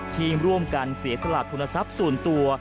ที่ร่วมกันเสียสละทุนทรัพย์ส่วนตัว